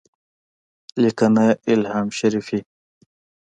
لیکنه الهام شریفي